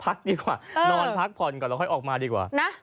ดีกว่านอนพักผ่อนก่อนแล้วค่อยออกมาดีกว่านะ